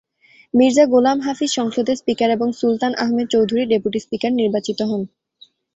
মির্জা গোলাম হাফিজ সংসদের স্পিকার এবং Sultan Ahmed Chowdhury deputy speaker নির্বাচিত হন।